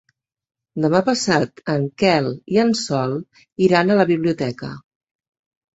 Demà passat en Quel i en Sol iran a la biblioteca.